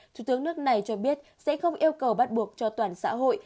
thủ tướng nước này cho biết sẽ không yêu cầu bắt buộc cho toàn xã hội